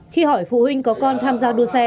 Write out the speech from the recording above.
khi hỏi phụ huynh có con tham gia đua xe